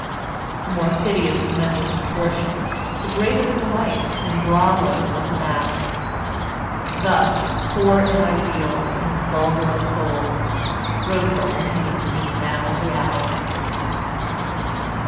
The more hideous the mental contortions, the greater the delight and bravos of the mass. Thus, poor in ideals and vulgar of soul, Roosevelt continues to be the man of the hour.